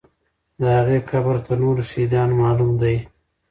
د هغې قبر تر نورو شهیدانو معلوم دی.